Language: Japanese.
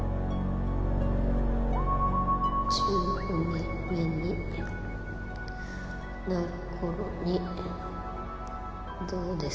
「１５年目になるころにどうですか？」